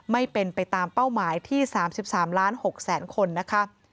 ไม่เป็นไปตามเป้าหมายที่๓๓ล้าน๖แสนคนนะคะ